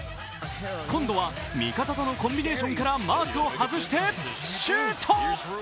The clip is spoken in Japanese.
今度は味方とのコンビネーションからマークを外してシュート。